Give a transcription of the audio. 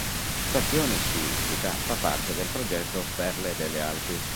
Stazione sciistica, fa parte del progetto Perle delle Alpi.